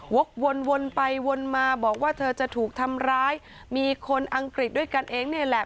วกวนไปวนมาบอกว่าเธอจะถูกทำร้ายมีคนอังกฤษด้วยกันเองนี่แหละ